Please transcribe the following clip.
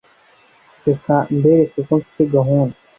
reka mbereke ko mfite gahunda”